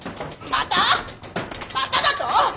まただと！？